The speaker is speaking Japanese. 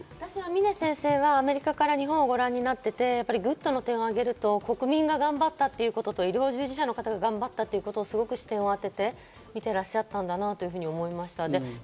峰先生がアメリカから日本をご覧になっていてＧｏｏｄの点を上げる、国民が頑張ったってことと、医療従事者の方が頑張ったということに視点を当てて見ていらっしゃったんだなと思いました。